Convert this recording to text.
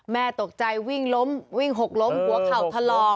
แม่ตกใจวิ่งล้มวิ่งหกล้มหัวเข่าถลอก